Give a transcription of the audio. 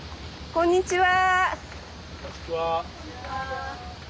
こんにちは。